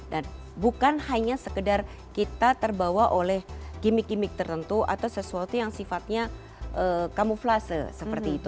dan bukan hanya sekedar kita terbawa oleh gimmick gimmick tertentu atau sesuatu yang sifatnya kamuflase seperti itu